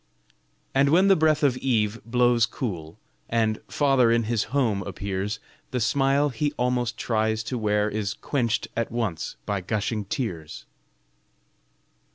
And when the breath of eve blows cool, And father in his home appears, The smile he almost tries to wear Is quenched at once by gushing tears.